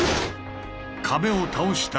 壁を倒した